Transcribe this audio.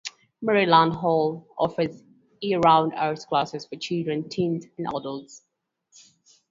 Maryland Hall offers year-round "arts classes" for children, teens and adults.